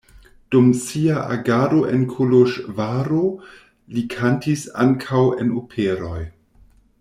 Dum sia agado en Koloĵvaro li kantis ankaŭ en operoj.